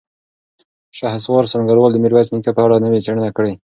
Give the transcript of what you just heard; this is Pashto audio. شهسوار سنګروال د میرویس نیکه په اړه نوې څېړنه کړې.